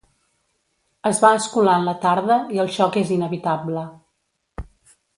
Es va escolant la tarda i el xoc és inevitable.